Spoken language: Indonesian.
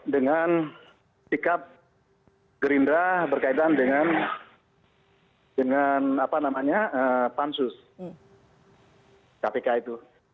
dengan sikap gerindra berkaitan dengan pansus kpk itu